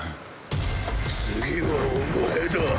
次はお前だ。